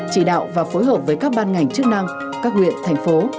chỉ đạo và phối hợp với các ban ngành chức năng các huyện thành phố